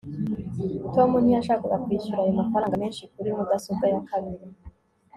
tom ntiyashakaga kwishyura ayo mafaranga menshi kuri mudasobwa ya kabiri